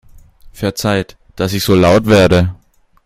Verzeiht, dass ich so laut werde!